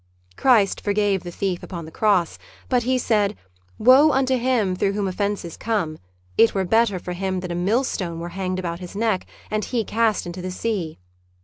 Christ forgave the thief upon the Cross, but He said, "Woe unto him through whom offences come. It were better for him that a millstone were hanged about his neck and he cast into the sea."